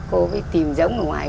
cô tìm giống ở ngoài